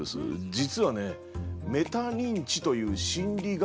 実はね「メタ認知」という心理学